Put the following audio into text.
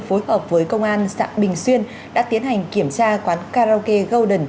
phối hợp với công an xã bình xuyên đã tiến hành kiểm tra quán karaoke golden